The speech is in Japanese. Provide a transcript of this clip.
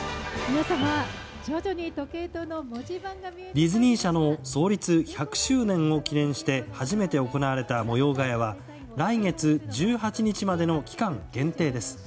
ディズニー社の創立１００周年を記念して初めて行われた模様替えは来月１８日までの期間限定です。